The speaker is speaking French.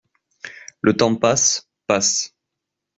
Le temps passe, passe.